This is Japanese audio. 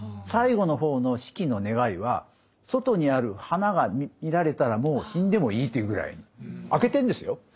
最後の方の子規の願いは外にある花が見られたらもう死んでもいいというぐらい開けてんですよ